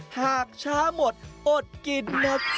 หากช้าหมดอดกินนะจ๊